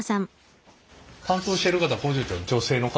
担当してる方